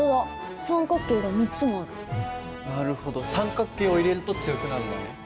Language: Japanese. なるほど三角形を入れると強くなるんだね。